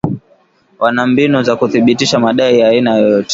Wana mbinu za kuthibitisha madai ya aina yoyote